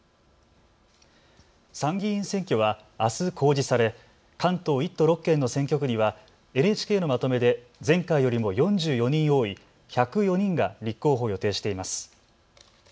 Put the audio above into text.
参議院選挙はあす公示され関東１都６県の選挙区にはＮＨＫのまとめで前回よりも４４人多い１０４人が立候補を予定しています。